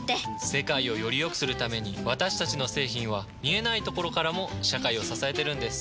世界をよりよくするために私たちの製品は見えないところからも社会を支えてるんです。